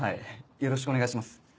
よろしくお願いします。